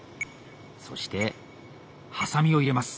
そしてハサミを入れます。